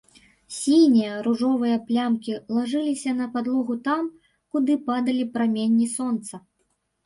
Сінія, ружовыя плямкі лажыліся на падлогу там, куды падалі праменні сонца.